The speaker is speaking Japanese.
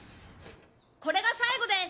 これが最後です。